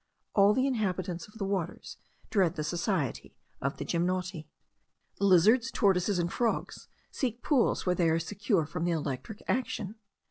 All the inhabitants of the waters dread the society of the gymnoti. Lizards, tortoises, and frogs, seek pools where they are secure from the electric action.